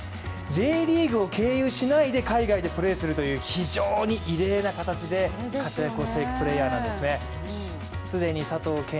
Ｊリーグを経由しないで海外でプレーするという、非常に異例な形で、活躍をしていくプレーヤーなんですね既に佐藤恵